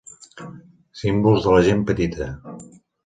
Símbols de la gent petita.